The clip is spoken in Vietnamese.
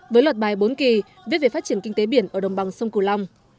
với luật bài bốn kỳ viết về phát triển kinh tế biển ở đồng bằng sông cửu long